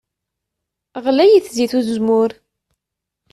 Ɣlayet zzit n uzemmur.